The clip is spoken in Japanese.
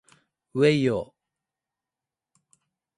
うぇいよ